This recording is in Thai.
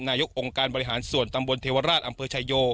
นายกองค์การบริหารส่วนตำบลเทวราชอำเภอชายโย